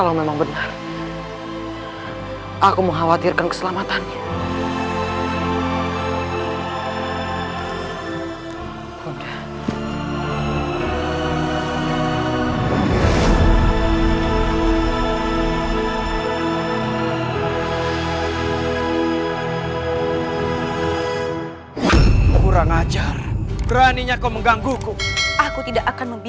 lalu investasi yang menempahkan sengpala pasangan agar cadence gritanya selama ini imb satu